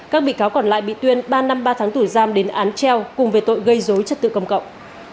các bị cáo còn lại bị tuyên ba năm ba tháng tù giam đến án treo cùng về tội gây dối trật tự công cộng